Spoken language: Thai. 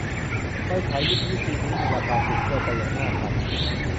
ไฟฉายยุทธวิธีนี้มีราคาสูงเกินไปอย่างน่าขัน